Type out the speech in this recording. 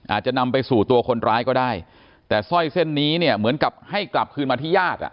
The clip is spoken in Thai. อาจจะนำไปสู่ตัวคนร้ายก็ได้แต่สร้อยเส้นนี้เนี่ยเหมือนกับให้กลับคืนมาที่ญาติอ่ะ